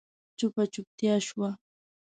چوپه چوپتيا شوه.